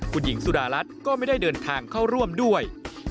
คุณหญิงสุดารัฐก็ไม่ได้เดินทางเข้าร่วมด้วย